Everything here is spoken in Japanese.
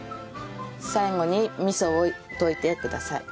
最後に味噌を溶いてください。